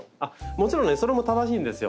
もちろんねそれも正しいんですよ。